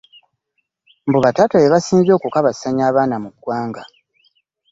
Mbu bataata be basinze okukabasanya abaana mu ggwanga.